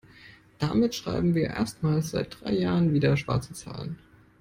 Damit schreiben wir erstmals seit drei Jahren wieder schwarze Zahlen.